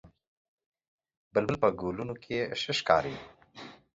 بلبل په ګلونو کې ښه ښکاري